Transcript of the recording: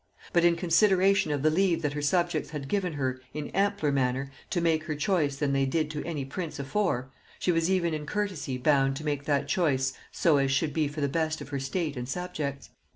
But in consideration of the leave that her subjects had given her in ampler manner to make her choice than they did to any prince afore, she was even in courtesy bound to make that choice so as should be for the best of her state and subjects.